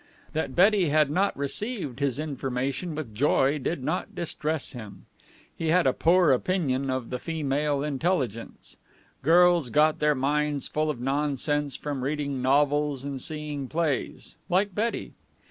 That Betty had not received his information with joy did not distress him. He had a poor opinion of the feminine intelligence. Girls got their minds full of nonsense from reading novels and seeing plays like Betty.